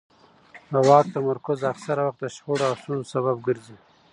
د واک تمرکز اکثره وخت د شخړو او ستونزو سبب ګرځي